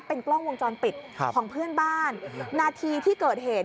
เป็นกล้องวงจรปิดของเพื่อนบ้านนาทีที่เกิดเหตุ